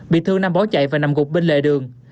bị thương nam bỏ chạy và nằm gục bên lề đường